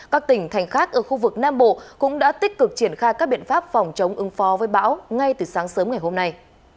các tỉnh thành khác ở khu vực nam bộ cũng đã tích cực triển khai các biện pháp phòng chống ứng phó với bão ngay từ sáng sớm ngày hôm nay